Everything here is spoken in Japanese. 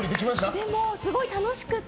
でもすごい楽しくて。